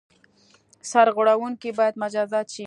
سرغړوونکي باید مجازات شي.